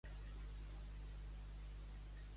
Quina vila actual es troba ara?